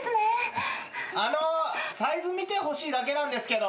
・あのサイズ見てほしいだけなんですけど。